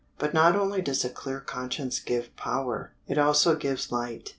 But not only does a clear conscience give power; it also gives light.